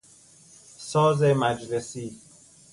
ساز مجلسی